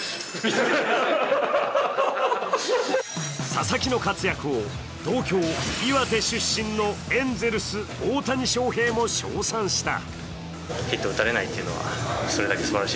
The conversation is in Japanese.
佐々木の活躍を同郷・岩手出身のエンゼルス・大谷翔平も称賛した。